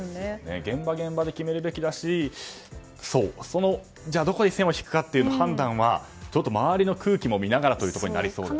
現場現場で決めるべきだしどこで線を引くかという判断は周りの空気も見ながらということになりそうですね。